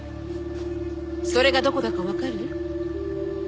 それがどこだか分かる？